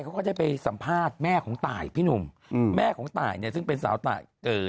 เขาก็จะไปสัมภาษณ์แม่ของตายพินุ่มแม่ของตายและซึ่งเป็นสาวต่ายเกิด